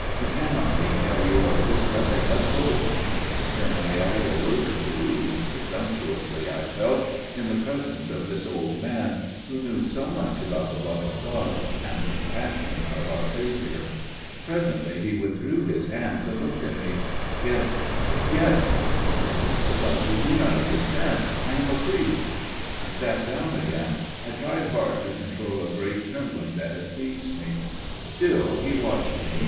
You cannot think how you are distressing us both." Then I added a word or two, presumptuously, I felt, in the presence of this old man, who knew so much about the Love of God and the Compassion of our Saviour. Presently he withdrew his hands and looked at me. "Yes, yes," he said; "but you do not understand. I am a priest." I sat down again. I tried hard to control a great trembling that had seized me. Still he watched me.